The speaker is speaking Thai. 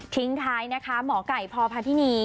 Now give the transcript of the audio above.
ทิ้งท้ายนะคะหมอก่ายพอพะทินี